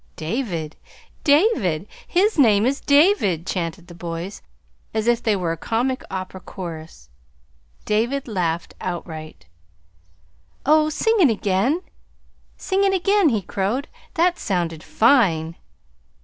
"David! David! His name is David," chanted the boys, as if they were a comic opera chorus. David laughed outright. "Oh, sing it again, sing it again!" he crowed. "That sounded fine!"